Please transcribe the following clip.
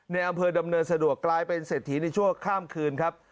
ในอำเภอดำเนินสะดวกกลายเป็นเศรษฐีในชั่วข้ามคืนครับ